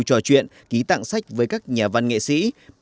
trò chuyện ký tặng sách với các nhà văn nghệ sĩ